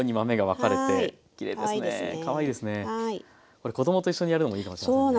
これ子供と一緒にやるのもいいかもしれませんね。